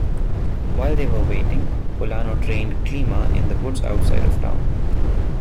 While they were waiting, Polano trained Klima in the woods outside of town.